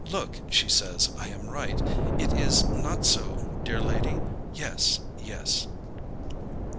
Look, she says I am right. Is it not so, dear lady? Yes, yes."